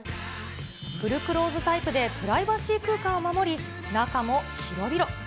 フルクローズタイプでプライバシー空間を守り、中も広々。